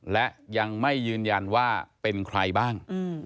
และยังไม่ยืนยันว่าเป็นใครบ้าง